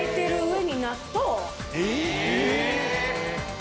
え？